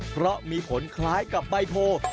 เพราะมีผลคล้ายกับใบโพ